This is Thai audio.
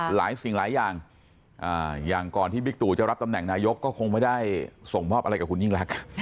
สิ่งหลายอย่างอย่างก่อนที่บิ๊กตู่จะรับตำแหน่งนายกก็คงไม่ได้ส่งมอบอะไรกับคุณยิ่งรัก